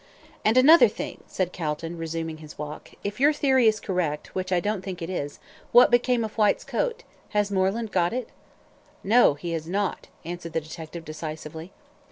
"And another thing," said Calton, resuming his walk, "if your theory is correct, which I don't think it is, what became of Whyte's coat? Has Moreland got it?" "No, he has not," answered the detective, decisively.